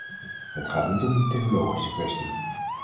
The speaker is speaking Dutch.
Het gaat niet om een theologische kwestie.